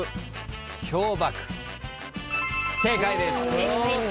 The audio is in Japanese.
正解です。